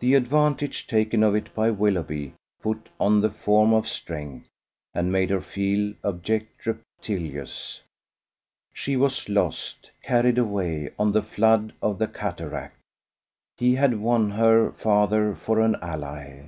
The advantage taken of it by Willoughby put on the form of strength, and made her feel abject, reptilious; she was lost, carried away on the flood of the cataract. He had won her father for an ally.